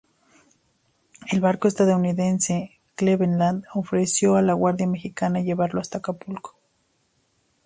El barco estadounidense "Cleveland" ofreció a la guarnición mexicana llevarla hasta Acapulco.